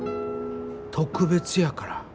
特別やから。